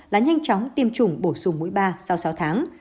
là nhanh chóng tiêm chủng bổ sung mũi ba sau sáu tháng